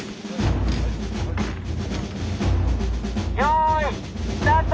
よいスタート！